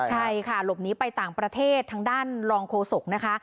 ใช่ค่ะหลบหนีไปต่างประเทศทางด้านรองโฆษกนะคะ